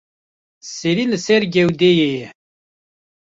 Serî li ser gewdeyê ye.